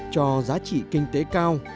cho giá trị kinh tế cao